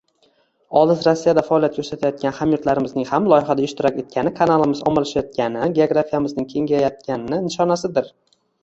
Olis Rossiyada faoliyat koʻrsatayotgan hamyurtlarimizning ham loyihada ishtirok etgani kanalimiz ommalashayotgani, geografiyamizning kengayayotgani nishonasidir.